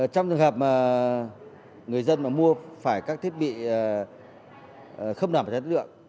trong trường hợp người dân mà mua phải các thiết bị không đảm chất lượng